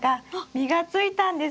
実がついたんです。